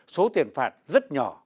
số tiền phạt rất nhỏ